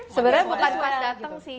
sebenarnya bukan pas dateng sih